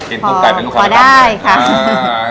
กินปลูกไก่เป็นลูกค้าไว้ครับพอได้ครับ